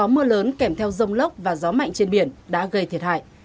mưa lớn kèm theo rông lốc và gió mạnh trên biển đã gây thiệt hại